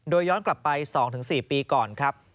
โดยย้อนกลับไป๒๔ปีก่อนครับ